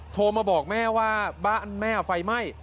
โทรมาบอกแม่ว่าบ้านแม่ไฟไหม้